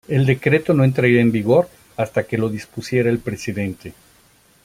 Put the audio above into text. El decreto no entraría en vigor hasta que lo dispusiera el presidente.